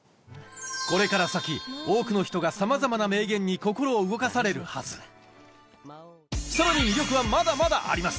これから先多くの人がさまざまな名言に心を動かされるはずさらに魅力はまだまだあります